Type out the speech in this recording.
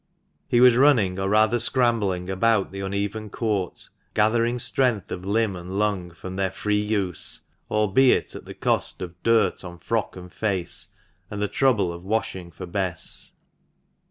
He was running, or rather scrambling, about the uneven court, gathering strength of limb and lung from their free use, albeit at the cost of dirt on frock and face, and the trouble of washing for Bess.